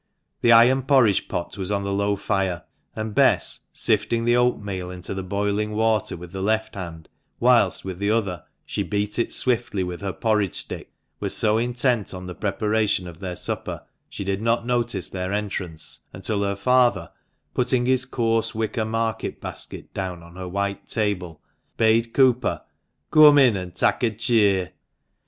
The iron porridge pot was on the low fire, and Bess, sifting the oatmeal into the boiling water with the left hand, whilst with the other she beat it swiftly with her porridge stick, was so intent on the preparation of their supper, she did not notice their entrance until her father, putting his coarse wicker market basket down on her white table, bade Cooper " Coom in an' tak' a cheer."